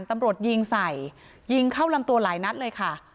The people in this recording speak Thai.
ตำรวจยิงใส่ยิงเข้าลำตัวหลายนัดเลยค่ะ